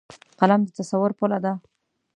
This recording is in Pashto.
قلم د تصور پله ده